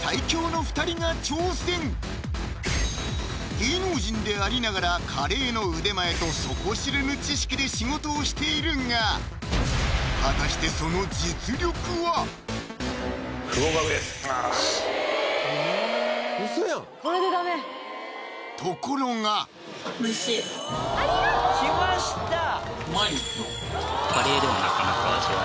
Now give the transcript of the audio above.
芸能人でありながらカレーの腕前と底知れぬ知識で仕事をしているが果たしてうそやんところがありがとう！